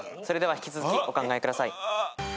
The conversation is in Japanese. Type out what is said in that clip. それでは引き続きお考えください。